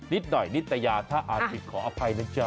นิดหน่อยนิตยาถ้าอ่านผิดขออภัยนะจ๊ะ